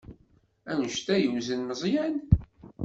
Anect ay yewzen Meẓyan?